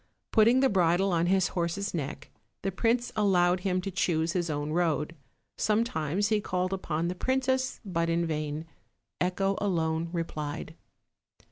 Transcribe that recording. Putting the bridle on his horse's neck, the prince allowed him to choose his own road: sometimes he called upon the princess, but in vain. Echo alone replied.